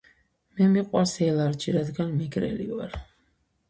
მე მიყვარს ელარჯი რადგან მეგრელი ვარ.